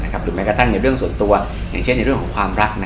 หรือแม้กระทั่งในเรื่องส่วนตัวอย่างเช่นในเรื่องของความรัก